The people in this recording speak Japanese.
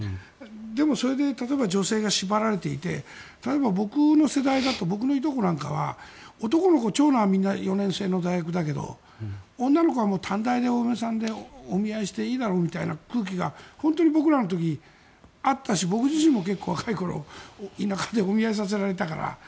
でも、それで女性が縛られていて例えば僕の世代だと僕のいとこなんかは男の子、長男みんな４年制の大学だけど女の子は短大でお嫁さんでお見合いしていいだろうみたいな空気が本当に僕らの時はあったし僕自身も結構田舎でお見合いをさせられたから。